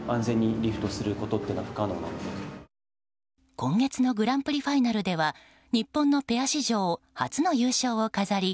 今月のグランプリファイナルでは日本のペア史上初の優勝を飾り